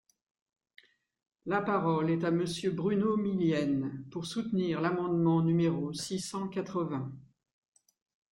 La parole est à Monsieur Bruno Millienne, pour soutenir l’amendement numéro six cent quatre-vingts.